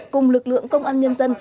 cùng lực lượng công an nhân dân